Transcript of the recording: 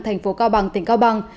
thành phố cao bằng tỉnh cao bằng